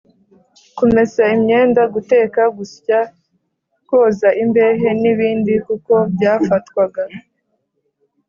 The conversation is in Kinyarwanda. kumesa imyenda, guteka, gusya, koza imbehe n’ibindi kuko byafatwaga